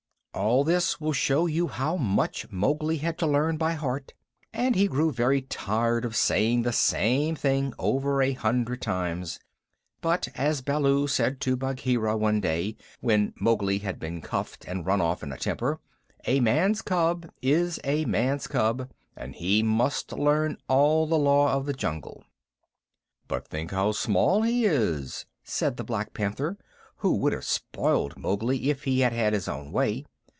All this will show you how much Mowgli had to learn by heart, and he grew very tired of saying the same thing over a hundred times. But, as Baloo said to Bagheera, one day when Mowgli had been cuffed and run off in a temper, "A man's cub is a man's cub, and he must learn all the Law of the Jungle." "But think how small he is," said the Black Panther, who would have spoiled Mowgli if he had had his own way.